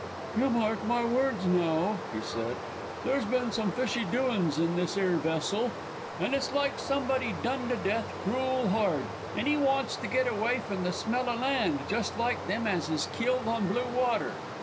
"You mark my words, now," he said. "There's been some fishy doin's in this 'ere vessel, and it's like somebody done to death crool hard, an' 'e wants to git away from the smell o' land, just like them as is killed on blue water.